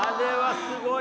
すごい。